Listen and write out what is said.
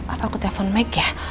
apa aku telepon meg ya